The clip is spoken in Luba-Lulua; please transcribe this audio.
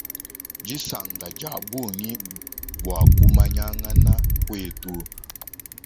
Disanka dia bungi buaku manyangana kuetu.